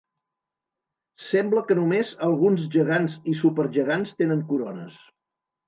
Sembla que només alguns gegants i supergegants tenen corones.